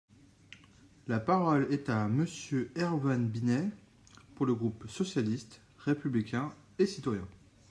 La parole est à Monsieur Erwann Binet, pour le groupe socialiste, républicain et citoyen.